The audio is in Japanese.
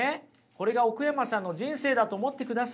これが奥山さんの人生だと思ってください。